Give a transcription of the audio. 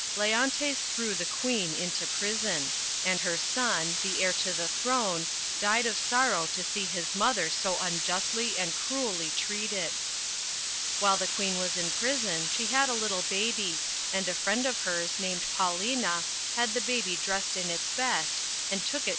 Leontes threw the Queen into prison ; and her son, the heir to the throne, died of sorrow to see his mother so unjustly and cruelly treated. While the Queen was in prison she had a little baby, and a friend pf hers, named Paulina, had the baby dressed in its best, and took it THE WINTER'S TALE.